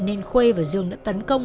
nên khuê và dương đã tấn công